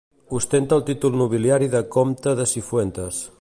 Ostenta el títol nobiliari de comte de Cifuentes.